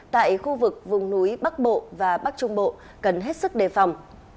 tại khu vực vùng núi bắc bộ và bắc trung bộ cần hết sức đề phòng